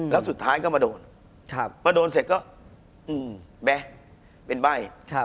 แล้วสุดท้ายก็มาโดนพอโดนเสร็จก็แบ๊ะเป็นใบ้